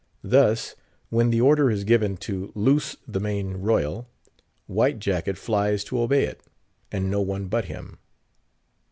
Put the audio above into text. Thus, when the order is given to loose the main royal, White Jacket flies to obey it; and no one but him.